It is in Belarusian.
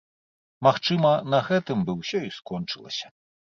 Магчыма, на гэтым бы ўсё і скончылася.